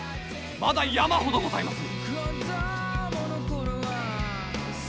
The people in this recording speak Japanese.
まだ山ほどございまする！